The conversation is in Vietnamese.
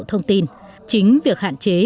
thông tin chính việc hạn chế